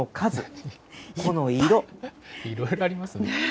いろいろありますね。